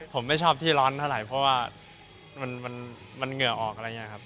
ผมไม่ชอบที่ร้อนเท่าไหร่เพราะว่ามันเหงื่อออกอะไรอย่างนี้ครับ